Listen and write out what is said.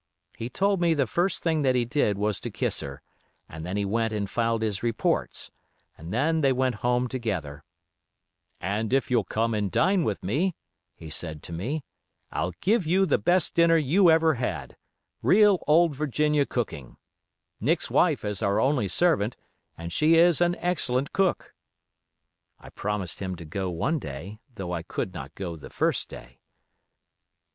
He told me the first thing that he did was to kiss her, and then he went and filed his reports, and then they went home together, 'And if you'll come and dine with me,' he said to me, 'I'll give you the best dinner you ever had—real old Virginia cooking; Nick's wife is our only servant, and she is an excellent cook.' I promised him to go one day, though I could not go the first day.